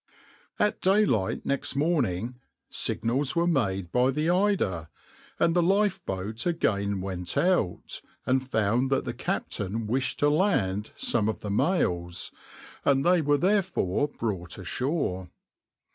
\par \vs {\noindent} At daylight next morning signals were made by the {\itshape{Eider}}, and the lifeboat again went out, and found that the captain wished to land some of the mails, and they were therefore brought ashore.